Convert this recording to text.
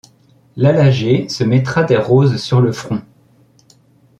Lalagé se mettra des roses sur le front